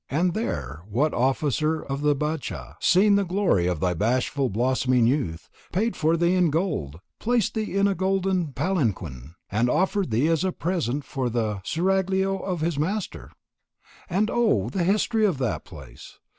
And there, what officer of the Badshah, seeing the glory of thy bashful blossoming youth, paid for thee in gold, placed thee in a golden palanquin, and offered thee as a present for the seraglio of his master? And O, the history of that place!